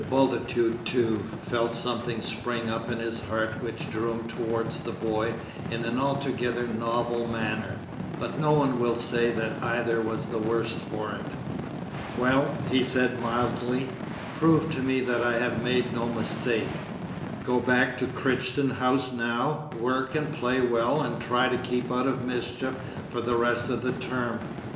Bultitude too, felt something spring up in his heart which drew him towards the boy in an altogether novel manner, but no one will say that either was the worse for it. "Well," he said mildly, "prove to me that I have made no mistake. Go back to Crichton House now, work and play well, and try to keep out of mischief for the rest of the term.